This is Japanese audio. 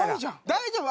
大丈夫？